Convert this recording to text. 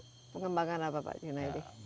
masalah pengembangan apa pak fajunaidi